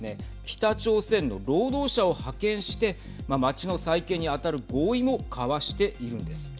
北朝鮮の労働者を派遣して街の再建に当たる合意も交わしているんです。